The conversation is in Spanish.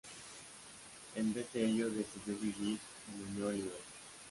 En vez de ello, decidió vivir en unión libre.